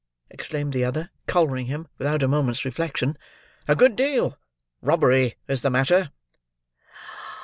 exclaimed the other, collaring him, without a moment's reflection. "A good deal. Robbery is the matter."